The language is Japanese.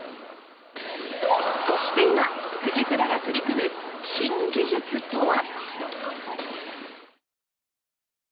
そして今フジクラが取り組む新技術とは？